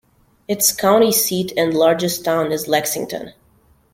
Its county seat and largest town is Lexington.